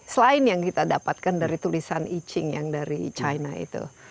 selain yang kita dapatkan dari tulisan iching yang dari china itu